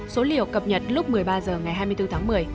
số liệu cập nhật lúc một mươi ba h ngày hai mươi bốn tháng một mươi